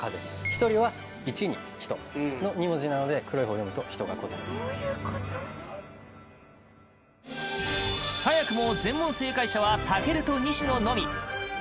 「ひとり」は「一」に「人」の２文字なので黒い方を読むと「人」が答えですそういうこと早くも全問正解者は健と西野のみ。